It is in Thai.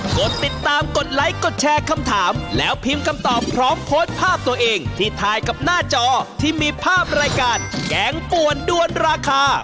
กดติดตามกดไลค์กดแชร์คำถามแล้วพิมพ์คำตอบพร้อมโพสต์ภาพตัวเองที่ถ่ายกับหน้าจอที่มีภาพรายการแกงป่วนด้วนราคา